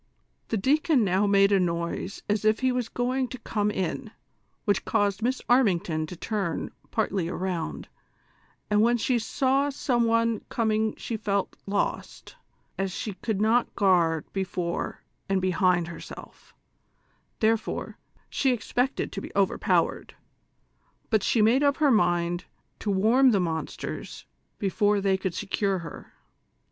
The deacon now made a noise as if he was going to come in, which caused Miss Armington to turn partly around, and when she saw some one coming she felt lost, as she could not guard before and behind herself ; therefore, she expected to be overpowered, but she made up her mind to warm the inunsters before tliey should secure her.